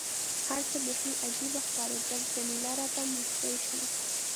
هر څه بیخي عجيبه ښکارېدل، جميله راته موسکۍ شوه.